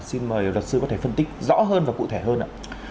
xin mời luật sư có thể phân tích rõ hơn và cụ thể hơn ạ